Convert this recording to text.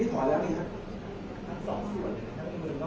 แต่ทุกพิฤตที่ท่านพนักการสอบสวนได้แจ้งให้เมื่อกายทราบนะครับว่า